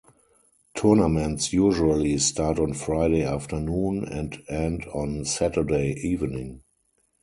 Tournaments usually start on Friday afternoon and end on Saturday evening.